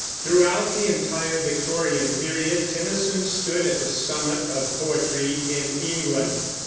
Throughout the entire Victorian period Tennyson stood at the summit of poetry in England.